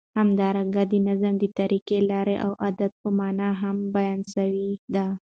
همدارنګه د نظام د طریقی، لاری او عادت په معنی هم بیان سوی دی.